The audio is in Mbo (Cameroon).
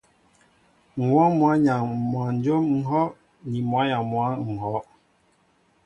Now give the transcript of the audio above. M̀ wɔ́ɔ́ŋ mwǎyaŋ mwanjóm ŋ̀hɔ́' ni mwǎyaŋ mwǎ ŋ̀hɔ́.